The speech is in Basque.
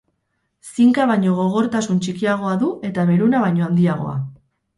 Zinka baino gogortasun txikiagoa du eta beruna baino handiagoa.